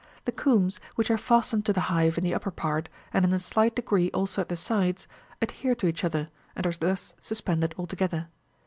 The combs, which are fastened to the hive in the upper part, and in a slight degree also at the sides, adhere to each other, and are thus suspended altogether.